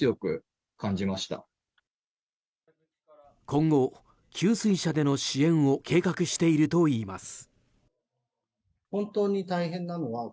今後、給水車での支援を計画しているといいます。